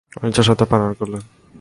অনিচ্ছা সত্ত্বেও পানাহার করলেন।